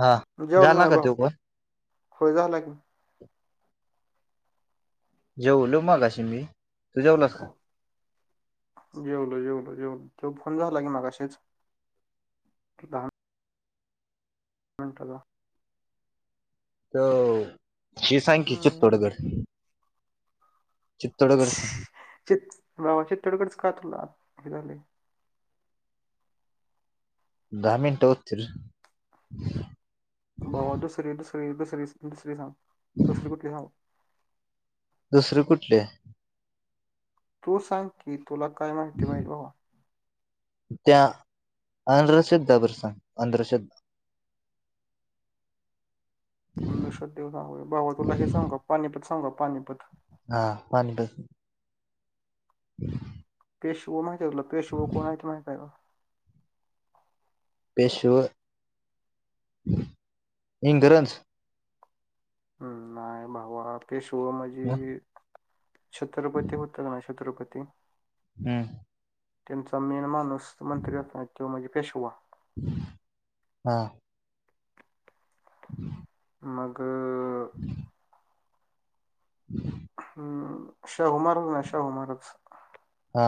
हा जेवलो झाला नाय का भावा तो पण होय झालं की जेवलो मगाशी मी तू जेवलास का? जेवलो जेवलो जेवलो त्यो फोन झाला की मगाशीच की दहा मिनटाला त्यो हे सांग की चित्तोड हम्म गड. चित्तोड गड सांग चित भावा चित्तोड गडच का तुला हे झालय दहा मिनिट होतील. भावा दुसरी दुसरी दुसरी दुसरी सांग दुसरी कुठली सांगु दुसरी कुठली ये तू सांग की तुला काय माहिती पाहिजे भावा त्या अंधश्रद्धा वर सांग अंधश्रद्धा अंधश्रद्धा वर सांगू भावा तुला हे सांगू पाणीपत सांगू का पाणीपत हा पानिपत [inaudible] पेशव माहिती हाय का तुला पेशव कोण हायत माहिती हाय का? पेशव इंग्रज नाय भावा पेशव म्हजे [inaudible] छत्रपती होत ना छत्रपती हूं त्यांचा मेन माणूस मंत्री [inaudible] तो म्हणजे पेशवा. हा [inaudible] मग [inaudible] [inaudible] हम्म शाहू महाराज हाय ना शाहू महाराज हा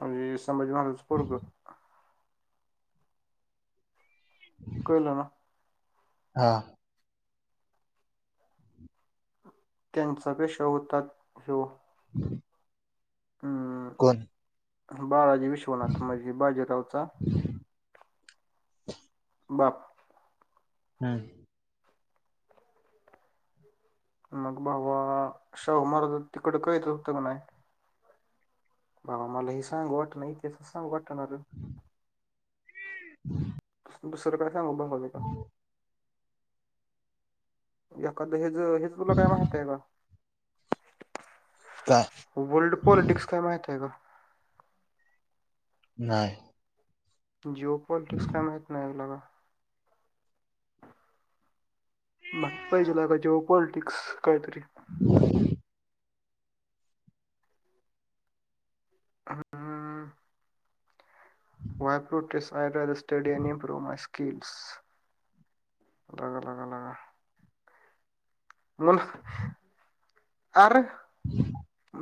म्हणजे संभाजी महाराजांचं पोरग [inaudible] कळलं ना हा त्यांचा पेशवा होतात ह्यो [inaudible] अम्म कोण? बाळाजी विश्वनाथ मजे बाजीरावचा बाप हम्म. मग भावा शाहूमहाराज तिकड कैद होते की नाही भावा मला हे सांगू वाटना इतिहासच सांगु वाटना रं. [inaudible] दुसरं काय सांगू भावा मी. एखादं हेज, हेज तुला काय माहिती हाय का? काय वर्ल्ड पॉलिटिक्स काय माहिती हाय का? नाही. जिओ पॉलिटिक्स काय माहीती नाही आपल्याला. माहित पाहिजेला बग जिओ पॉलिटिक्स कायतरी. [inaudible] हा. वय प्रूटस study uh improve my skills. लगा लगा लगा. मग, आर.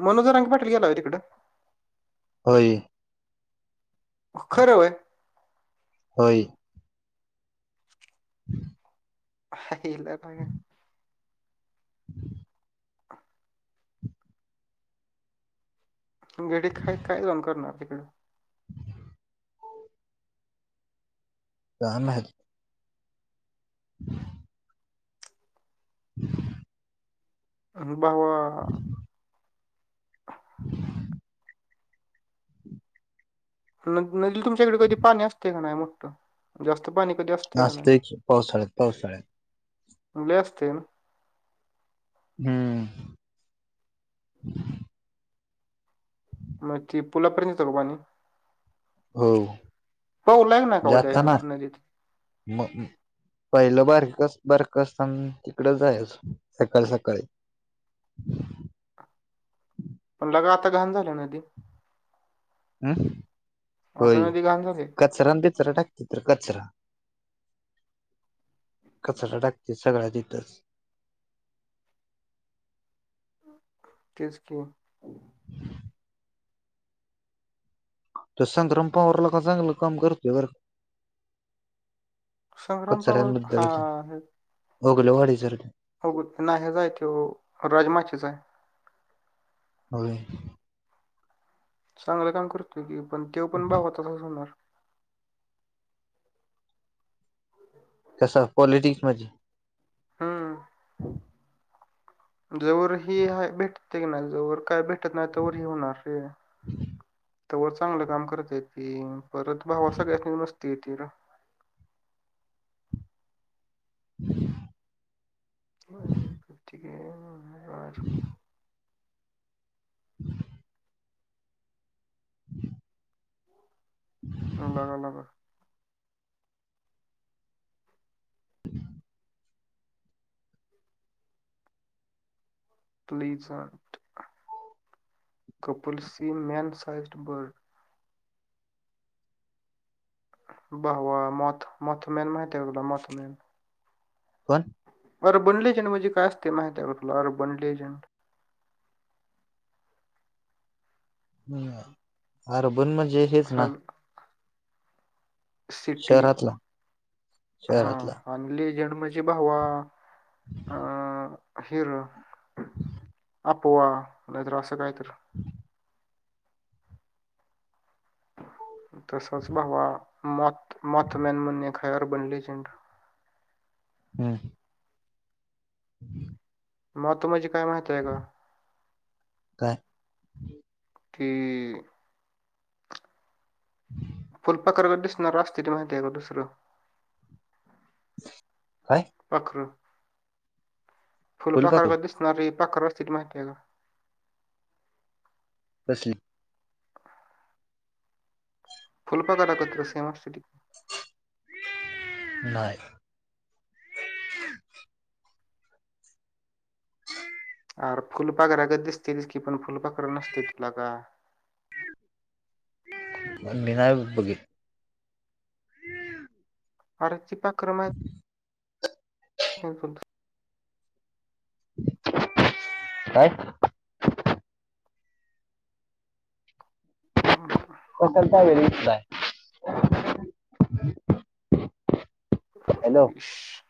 मनोज जरंगे पाटील गेलाय तिकडे. होय. खरं होय. होय. आयला बघा. [inaudible] गडी एक हाय काय जाऊन करणार तिकड? [unintelligible] [inaudible] काम आहे. [unintelligible] [inaudible] आणि भावा. नदी तुमच्याकडे कधी पाणी असते का नाही मोठं, जास्त पाणी कधी असत? असतय की पावसाळ्यात, पावसाळ्यात. लय असतय ना. हम्म. मग ती पुलापर्यंत येत का पाणी? हो पोहायला की नाही जाताना कधी नदीत? म [inaudible] पहिलं बारीक, बारकं असतानाच तिकडे जायच सकाळी, सकाळी. [inaudible] आमच्या कडे आता घाण झालंय नदी. हम्म होय आता नदी घाण झाली कचरा-बिचरा टाकतात रे कचरा कचरा टाकत्यात सगळा तिथच. तेच कि. तो संग्राम पवारला कस चांगलं काम करतोय. संग्राम पवार, हा हे. उगल्या वाडीच रे. होग नाही माहिती तो राजमाचीचा आहे. होय. चांगलं काम करतोय की, पण तो पण भावा तसाच होणार. कसं पॉलिटिक्स मध्ये. हम्म जोवर हि आहे भेटती की ना तोवर काय भेट भेटत नाही तोवर हे होणार असे. तोवर चांगलं काम करतेती परत भावा सगळ्यास नी मस्ती येती ना. हम्म ठीकय बरं हम्म हम्म [inaudible] बघावं लागल हम्म प्लीजहट कपलसी मॅन सईज्ड बर्ड. भावा मौत मौतमेन माहिती आहे तुला मौतमेन. कोण अरे अर्बलेजंट म्हणजे काय असते माहिती आहे तुला अर्बण लेजंड. हम्म अर्बन म्हणजे हेच ना? हल सिटी शहरातला हां शहरातला आण लेजंड म्हणजे भावा अं हेरर अपोवा नायतर असं कायतर. हां तसच भावा मौत मौत मॅन म्हणून हाय अर्बण लेजंड. हम्म हम्म मॉत माझे काय माहत आहे का? काय? की [inaudible] फुलपाकरागत दिसणार असतेति माहिती आहे का दुसरं? काय पाखरं फुलपाखरा फुलपाखरू गत दिसणार पाखर असतात माहितीय का? कसली? फुलपाखरागत कसे मस्त ते. नाय अर फुलपाकरा गत दिसतेत की पण फुलपाकर नसते ति लका. पण मी नाय बघीतल आर ती पाखरं माहित हो पण. काय? हो [unintelligible] कसल काय [unintelligible] हॅलो [inaudible]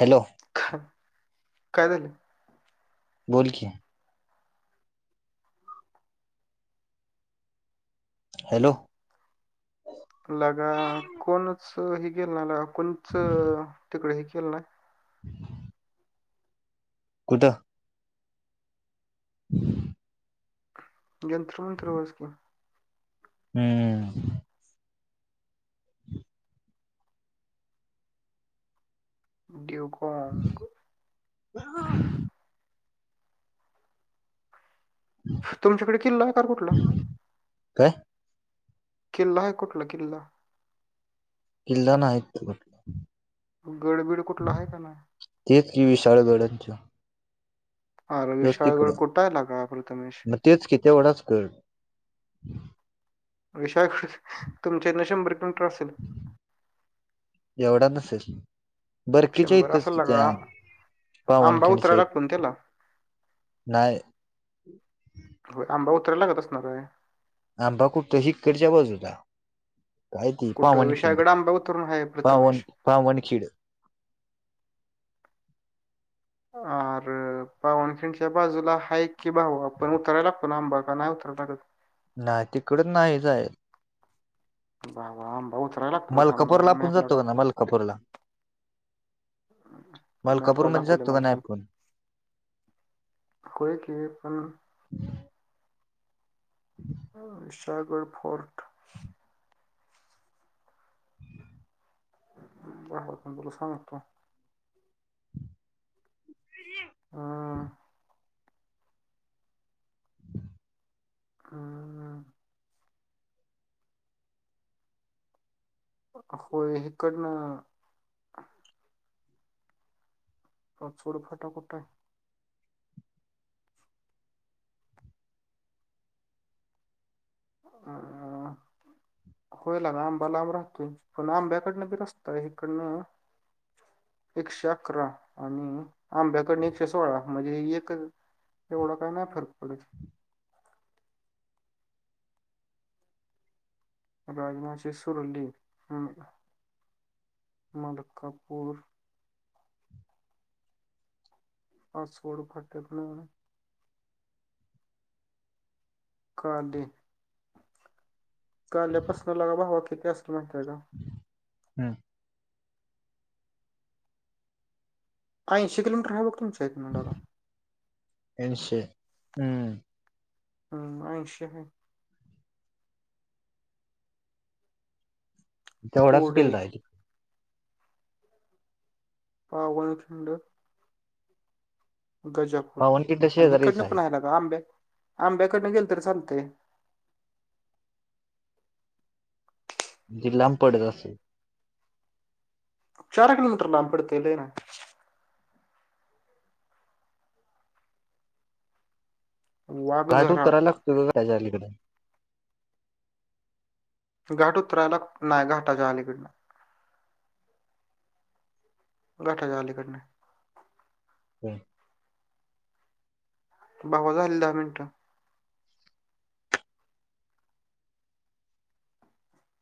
हॅलो काय झाल? बोल की. हॅलो लगा कोणच हे केल नाय लका कोणचं तिकडे हे केल नाय. ह [unintelligible] कुठं? [inaudible] [unintelligible] हम्म डिवकॉग. [unintelligible] तुमच्याकडे किल्ला आहे कार कुठला? काय? किल्ला आहे कुठला किल्ला? किल्ला नाही इथपण गडबीड कुठला आहे का नाही? तेच की विशाळ गडच. आर विशाळगड कुठा आहे लका प्रथमेश. मग तेच कि तेवढाच गड विशाळगड तुमच्या इथना शंभर किलोमीटर असेल. ऐवढा नसेल. बर कीेतीय असेल तसं त्या लागा. आंबा पावनखिंडचे? उतरायला लागतो ना त्याला? नाही हो आंबा उतरायला लागत असणार आहे. हां बघु हीकडच्या बाजूला काय कृपा कुठं म्हणायची विशाळगड आंबा उतरून आहे पावन प्रथमेश. पावनखिंड. [inaudible] अर पावनखिंच्या बाजूला हाय की भाऊ आपण उतरायला लागतो ना आंबा का नाही उतरायला लागत. नाय तिकडून नाय जायाच. [unintelligible] बहुत मलकापूरला आपण जातो क नाय मलकापूरला. मॅपला मलकापूरमध्ये टाकू दे जातो का मला नाही थांब. आपण. होय की पण ह [inaudible] विशाळगड फोर्ट. [unintelligible] तुला सांगतो हम्म हम्म होय हिकडन. पाचोड फाटा कुठय? अं, [inaudible] होय लका आंबा लांब रहातोय पण आंब्याकडनं बी रस्ताय हिकडनं एकशे अकरा आण आंब्याकडन एकशे सोळा म्हणजे एक एवढा काय नाही फरक पडत. राज मावशी सोडून देईल हम्म मलकापूर. पा [unintelligible] भाटतेत ना. काली काल्यापासन लका भावा किती असेल माहितीय का? हम्म ऐंशी किलोमीटर आहे बघिमच्या एक किनटर का अश हम्म ह् अश तेवढाच केल कोडे, राहिज हा वचडं गजापूर पावनखिंड आणि शेजारीच हकडनं पण आहे आहेला का आंब्या आंब्याकडनं गेल तर चालते जिलांब पडत असे चार कलोमीटर लांब पडतेले ना लाट वाघझरा उतराय लागतय का त्याच्या अलीकडे घाट उतरायला नाही घाटाच्या अलीकडनं घाठा जाललीिकणे हो बावाज झाले दहा मिनिटं